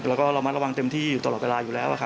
เราก็มาระวังเต็มที่อยู่ตลอดเวลาอยู่แล้ว